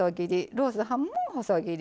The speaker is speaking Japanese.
ロースハムも細切り。